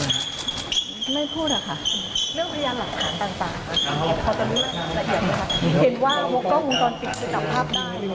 ทางญาติมีการยื่นประกันไหมครับ